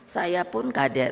saya pun kader